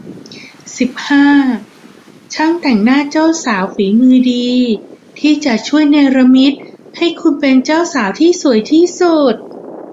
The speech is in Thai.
สิบห้า ช่างแต่งหน้าเจ้าสาว ฝีมือดี ที่จะช่วยเนรมิตให้คุณเป็นเจ้าสาวที่สวยที่สุด